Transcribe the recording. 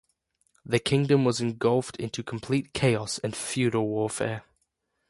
The kingdom was engulfed into complete chaos and feudal warfare.